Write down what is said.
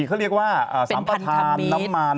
เขาเรียกว่าสัมปทานน้ำมัน